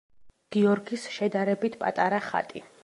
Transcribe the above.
გიორგის შედარებით პატარა ხატი.